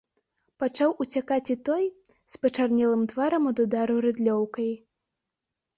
Пачаў уцякаць і той, з пачарнелым тварам ад удару рыдлёўкай.